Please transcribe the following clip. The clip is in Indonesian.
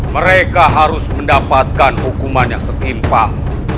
mereka harus mendapatkan hukuman yang setimpal